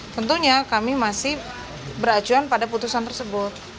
tentunya kami masih beracuan pada putusan tersebut